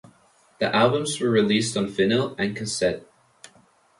The albums were released on vinyl and cassette.